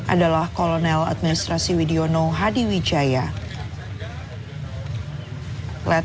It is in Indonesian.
adalah kolonel administrasi widiono hadi wijaya